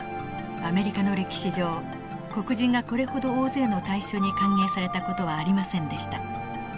アメリカの歴史上黒人がこれほど大勢の大衆に歓迎された事はありませんでした。